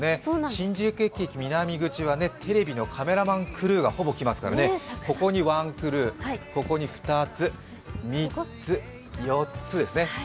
新宿駅南口はテレビのカメラマンクルーがほぼ来ますから、ここにワンクルーここに２つ、３つ、４つですね。